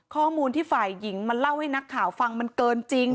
ข้อมูลที่ฝ่ายหญิงมาเล่าให้นักข่าวฟังมันเกินจริง